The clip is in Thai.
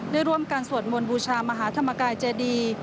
ได้ร่วมกันสวดมนต์บูชามหาธรรมกายเจดี